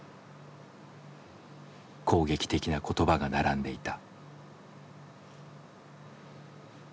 攻撃的な言葉が並んでいた。